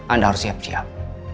anda harus siap siap